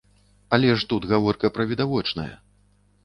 Але ж тут гаворка пра відавочнае.